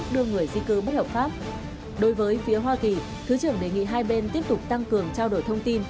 đối với phía hoa kỳ thứ trưởng đề nghị hai bên tiếp tục tăng cường trao đổi thông tin